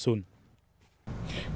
những ngày trước